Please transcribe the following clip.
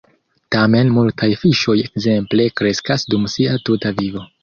Tamen multaj fiŝoj ekzemple kreskas dum sia tuta vivo.